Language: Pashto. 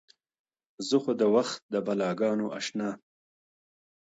زه خو د وخت د بـلاگـانـــو اشـنا.